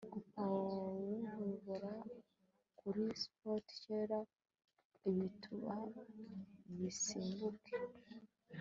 gupawulobora kuri spout reka ibituba bisimbuke